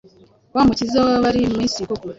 we Mukiza w’abari mu isi koko.